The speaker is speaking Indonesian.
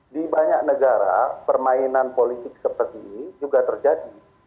di banyak negara permainan politik seperti ini juga terjadi